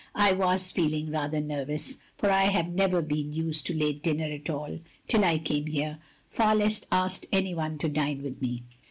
I was feeling rather nervous, for I have never been used to late dinner at all, till I came here, far less asked any one to dine with me.